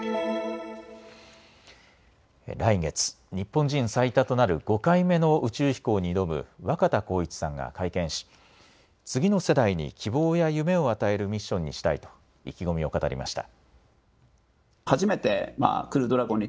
来月、日本人最多となる５回目の宇宙飛行に挑む若田光一さんが会見し、次の世代に希望や夢を与えるミッションにしたいと意気込みを語りました。